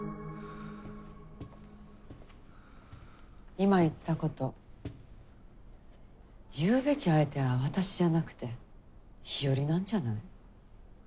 今言ったこと言うべき相手は私じゃなくて日和なんじゃない？